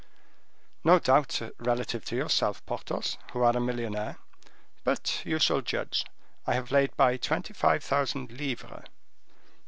"No doubt, relative to yourself, Porthos, who are a millionaire; but you shall judge. I had laid by twenty five thousand livres."